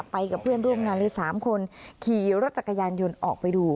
ไปกับเพื่อนร่วมงานเลย๓คนขี่รถจักรยานยนต์ออกไปดู